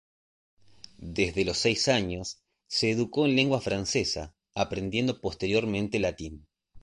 Desde los seis años se educó en lengua francesa, aprendiendo posteriormente latín.